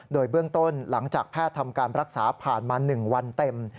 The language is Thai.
โดยเบื้องต้นหลังจากแพทย์ทำการรักษาผ่านมา๑วันเต็ม